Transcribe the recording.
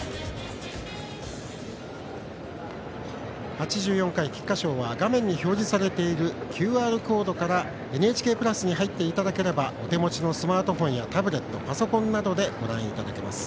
８４回菊花賞は画面に表示されているＱＲコードから「ＮＨＫプラス」に入っていただければお手持ちのスマートフォンやタブレット、パソコンなどでご覧いただけます。